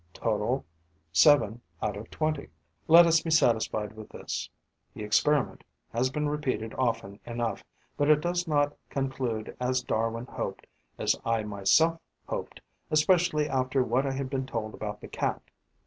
Total: seven out of twenty. Let us be satisfied with this: the experiment has been repeated often enough, but it does not conclude as Darwin hoped, as I myself hoped, especially after what I had been told about the Cat.